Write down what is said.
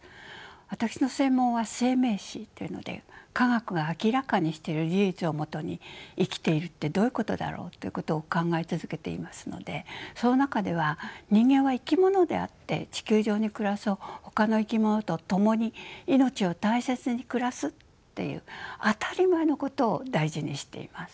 私の専門は「生命誌」というので科学が明らかにしてる事実をもとに「生きているってどういうことだろう」ということを考え続けていますのでその中では「人間は生き物であって地球上に暮らすほかの生き物と共に命を大切に暮らす」っていう当たり前のことを大事にしています。